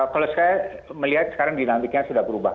kalau saya melihat sekarang dinamiknya sudah berubah